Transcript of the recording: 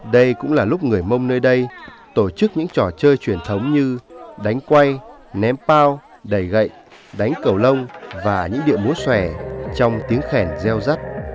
đây cũng là lúc người mông nơi đây tổ chức những trò chơi truyền thống như đánh quay ném pao đẩy gậy đánh cầu lông và những địa múa xòe trong tiếng khèn reo rắt